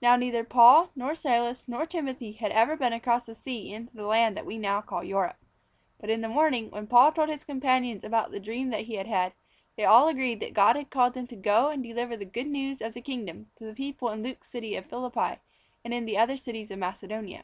Now neither Paul nor Silas nor Timothy had ever been across the sea into the land that we now call Europe. But in the morning, when Paul told his companions about the dream that he had had, they all agreed that God had called them to go and deliver the good news of the Kingdom to the people in Luke's city of Philippi and in the other cities of Macedonia.